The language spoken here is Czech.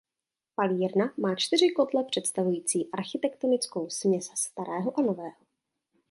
Palírna má čtyři kotle představující architektonickou směs starého a nového.